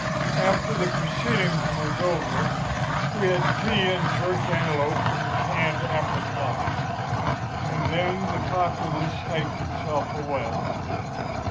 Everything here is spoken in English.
"After the proceedings was over we had tea and jerked antelope and canned apricots, and then the populace hiked itself away.